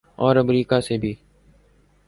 اور امریکہ سے بھی۔